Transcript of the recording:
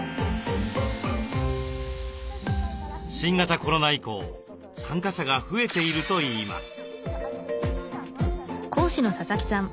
新型コロナ以降参加者が増えているといいます。